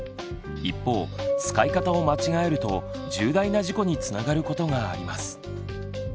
一方使い方を間違えると重大な事故につながることがあります。